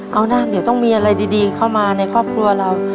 เอานะเดี๋ยวต้องมีอะไรดีเข้ามาในครอบครัวเรา